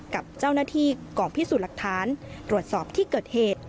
กับเจ้าหน้าที่กองพิสูจน์หลักฐานตรวจสอบที่เกิดเหตุ